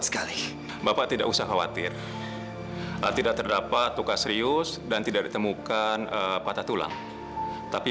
sampai jumpa di video selanjutnya